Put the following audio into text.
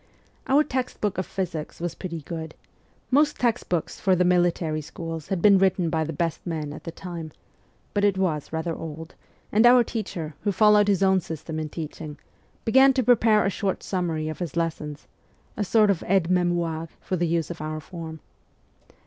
Our text book of physics was pretty good (most text books for the military schools had been written by the best men at the time), but it was rather old, and our teacher, who followed his own system in teaching, began to prepare a short summary of his lessons a sort of aide memoire for the use of our form.